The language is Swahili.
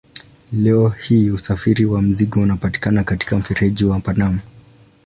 Leo hii usafiri wa mizigo unapita katika mfereji wa Panama.